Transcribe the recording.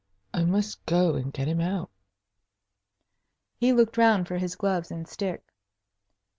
I must go and get him out." He looked round for his gloves and stick.